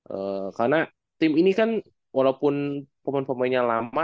eee karena tim ini kan walaupun pemain pemainnya lama